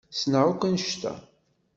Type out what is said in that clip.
Ssneɣ akk anect-a.